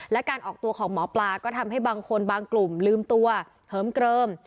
และการออกตัวของหมอปลาก็ทำให้บางคนบางกลุ่มลืมตัวเหิมเกลิม